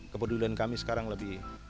kepedulian kami sekarang lebih